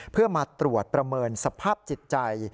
เพื่อมาตรวจประเมินสภาพจิตใจ